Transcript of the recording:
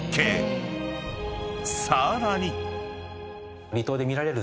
［さらに］